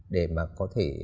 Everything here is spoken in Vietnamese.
để mà có thể